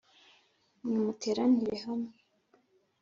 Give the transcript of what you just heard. mwe muteranire hamwe